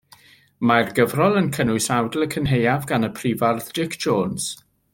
Mae'r gyfrol yn cynnwys awdl Y Cynhaeaf gan y Prifardd Dic Jones.